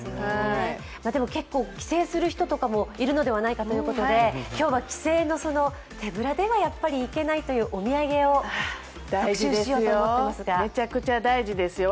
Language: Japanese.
でも、結構帰省する人とかもいるのではないかということで今日は帰省の、手ぶらでは行けないというお土産を特集しようと思っていますが大事ですよ、めちゃくちゃ大事ですよ。